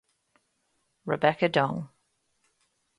Rebecca Dong